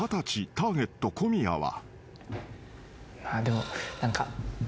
ターゲット小宮は］